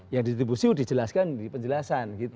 yang distribusi dijelaskan di penjelasan